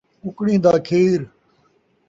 ککِڑیں دا کھیر